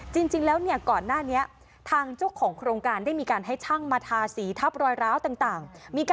จริงแล้วเนี่ยก่อนหน้านี้ทางเจ้าของโครงการได้มีการให้ช่างมาทาสีทับรอยร้าวต่าง